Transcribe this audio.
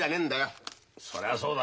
そりゃそうだ。